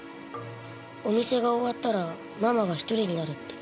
お店が終わったらママが一人になるって。